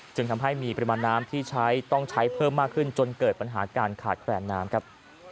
จึงทำให้มีปริมาณน้ำที่ใช้ต้องใช้เพิ่มมากขึ้นจนเกิดปัญหาการขาดแคลนน้ำครับ